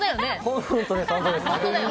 本当です！